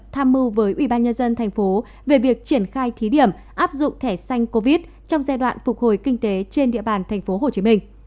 tham mưu với ubnd tp hcm về việc triển khai thí điểm áp dụng thẻ xanh covid trong giai đoạn phục hồi kinh tế trên địa bàn tp hcm